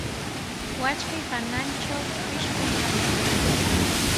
Wasi hanantraw pishqu kantan.